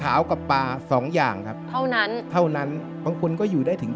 รายการต่อไปนี้เป็นรายการทั่วไปสามารถรับชมได้ทุกวัย